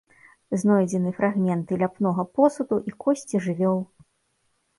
Знойдзены фрагменты ляпнога посуду і косці жывёл.